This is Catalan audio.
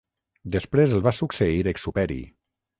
Després el va succeir Exuperi.